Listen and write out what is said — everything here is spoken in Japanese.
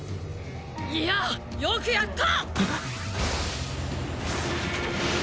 イヤよくやった！！